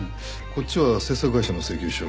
こっちは制作会社の請求書。